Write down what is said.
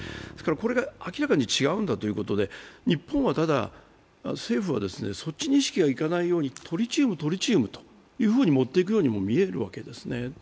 これが明らかに違うんだということで日本はただ、政府は、そっちに意識がいかないようにトリチウム、トリチウムと言っているようにも見えるんですね。